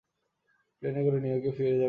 প্লেনে করে নিউ ইয়র্কে ফিরে যাবে?